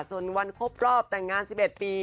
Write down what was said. ส่วนวันครบรอบแต่งงาน๑๑ปี